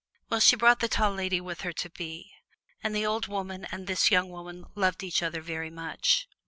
Well, she brought the Tall Lady with her to By, and this old woman and this young woman loved each other very much.